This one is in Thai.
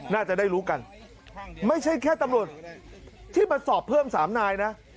น่าจะได้รู้กันไม่ใช่แค่ตำรวจที่มาสอบเพิ่มสามนายนะ